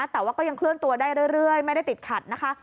แต่ว่าก็ยังเคลื่อนตัวได้เรื่อยไม่ได้ติดขัดนะคะ